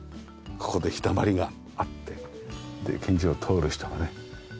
ここで日だまりがあってで近所を通る人がね